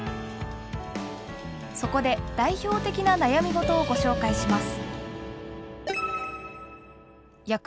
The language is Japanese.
そこで代表的な悩み事をご紹介します。